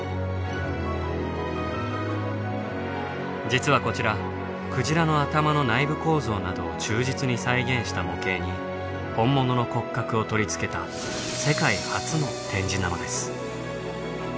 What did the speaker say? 実はこちらクジラの頭の内部構造などを忠実に再現した模型に本物の骨格を取り付けた世界初の展示なのです。